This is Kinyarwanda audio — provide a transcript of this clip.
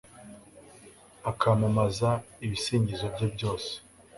akamamaza ibisingizo bye byose